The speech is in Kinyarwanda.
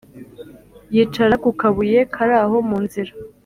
yicara kukabuye karaho munzira